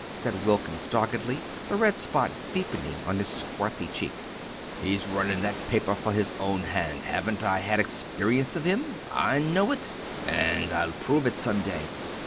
said Wilkins, doggedly, the red spot deepening on his swarthy cheek "he's runnin' that paper for his own hand Haven't I had experience of him? I know it And I'll prove it some day!